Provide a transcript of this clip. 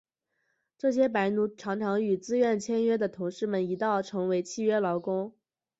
这些白奴常常与自愿签约的同事们一道成为契约劳工。